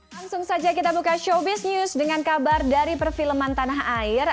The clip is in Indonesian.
langsung saja kita buka showbiz news dengan kabar dari perfilman tanah air